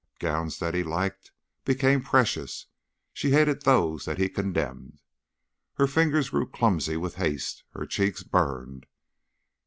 Gowns that he liked became precious; she hated those that he condemned. Her fingers grew clumsy with haste, her cheeks burned.